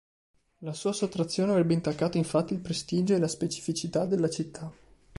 La sua sottrazione avrebbe intaccato infatti il prestigio e la specificità della città.